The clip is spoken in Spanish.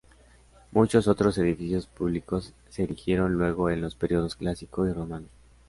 Muchos otros edificios públicos se erigieron luego en los periodos clásico y romano.